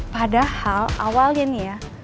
padahal awal gini ya